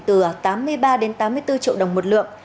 từ tám mươi ba đến tám mươi bốn triệu đồng một lượng